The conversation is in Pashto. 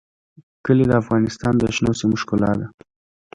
کلي د افغانستان د شنو سیمو ښکلا ده.